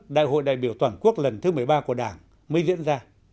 đại hội đại biểu toàn quốc lần thứ một mươi ba của đảng mới diễn ra